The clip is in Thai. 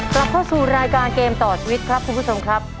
กลับเข้าสู่รายการเกมต่อชีวิตครับคุณผู้ชมครับ